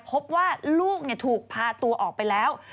พบว่าลูกถูกพาตัวออกไปแล้ว